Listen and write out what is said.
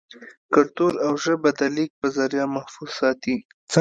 کلتور او ژبه دَليک پۀ زريعه محفوظ ساتي